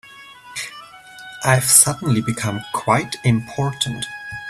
I've suddenly become quite important.